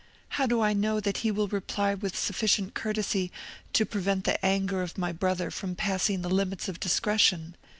How do I know that he will reply with sufficient courtesy to prevent the anger of my brother from passing the limits of discretion?